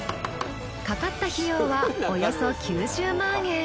かかった費用はおよそ９０万円。